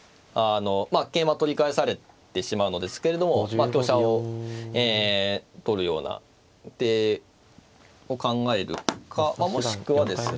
桂馬取り返されてしまうのですけれども香車を取るような手を考えるかもしくはですね。